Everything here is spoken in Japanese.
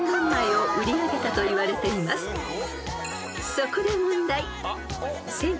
［そこで問題］